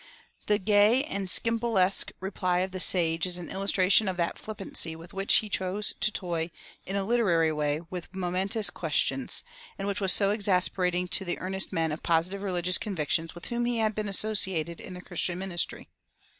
The gay and Skimpolesque reply of the sage is an illustration of that flippancy with which he chose to toy in a literary way with momentous questions, and which was so exasperating to the earnest men of positive religious convictions with whom he had been associated in the Christian ministry.